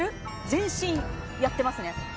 全身やってますね